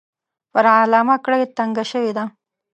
پر علامه کړۍ تنګه شوې ده.